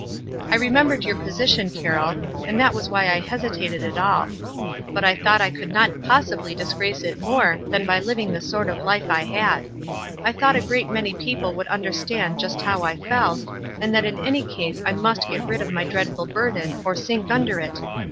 I remembered your position, Carroll, and that was why I hesitated at all ; but I thought I could not possibly disgrace it more than by living the sort of life I had. I thought a great many people would understand just how I felt, and that in any case I must get rid of my dreadful burden or sink under it.